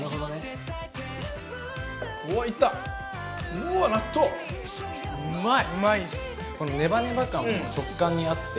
うわ、納豆、うまい。